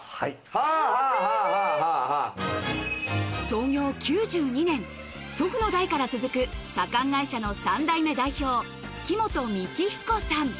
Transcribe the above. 創業９２年祖父の代から続く左官会社の三代目代表木本己樹彦さん